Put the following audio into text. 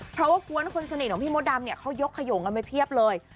เพราะว่ากวนคนสนิทของพี่มดดำเนี่ยเขายกขยงกันไปเพียบเลย